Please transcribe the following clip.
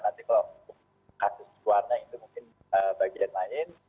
kalau kasus luarnya itu mungkin bagian lain